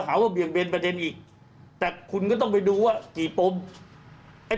หาว่าเบี่ยงเบนประเด็นอีกแต่คุณก็ต้องไปดูว่ากี่ปมไอ้